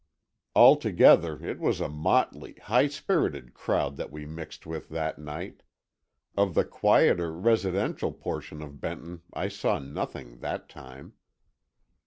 Altogether it was a motley, high spirited crowd that we mixed with that night. Of the quieter residential portion of Benton I saw nothing, that time.